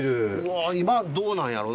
今どうなんやろな？